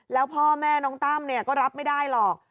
แล้วพ่อแม่น้องตั้มก็รับไม่ได้หรอก